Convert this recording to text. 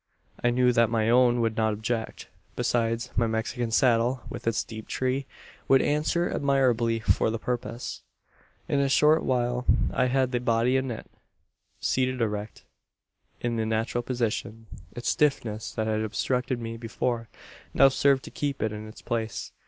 "I knew that my own would not object. Besides, my Mexican saddle, with its deep tree, would answer admirably for the purpose. "In a short while I had the body in it, seated erect, in the natural position. Its stiffness, that had obstructed me before, now served to keep it in its place.